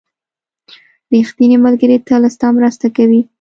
• ریښتینی ملګری تل ستا مرسته کوي.